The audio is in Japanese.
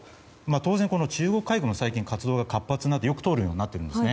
当然、中国海軍の活動が活発になってよく通るようになってるんです。